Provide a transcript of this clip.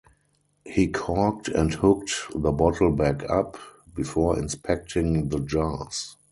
He corked and hooked the bottle back up before inspecting the jars.